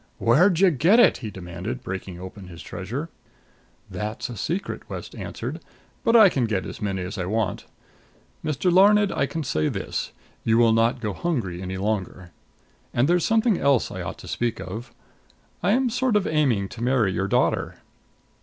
"Where'd you get it?" he demanded, breaking open his treasure. "That's a secret," West answered. "But I can get as many as I want. Mr. Larned, I can say this you will not go hungry any longer. And there's something else I ought to speak of. I am sort of aiming to marry your daughter."